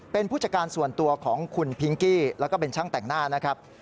เป็นผู้จัดการส่วนตัวของคุณพิงกี้แล้วก็เป็นช่างแต่งหน้านะครับ